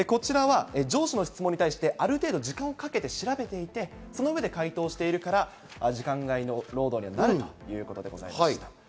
こちらは上司の質問に対してある程度時間をかけて調べていて、その上で回答しているから時間外労働になるということです。